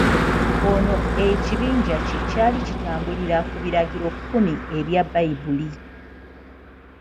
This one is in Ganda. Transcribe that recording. Ono ekibinja kye kyali kitambulirira ku biragiro kumi ebya Bbayibbuli .